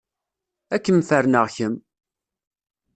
Ad kem-ferneɣ kemm!